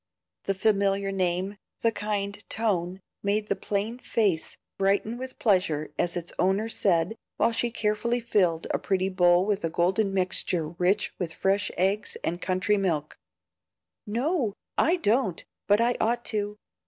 The familiar name, the kind tone, made the plain face brighten with pleasure as its owner said, while she carefully filled a pretty bowl with a golden mixture rich with fresh eggs and country milk "No, I don't, but I ought to.